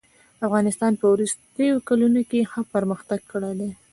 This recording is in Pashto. افغانستان په وروستيو کلونو کښي ښه پرمختګ کړی دئ.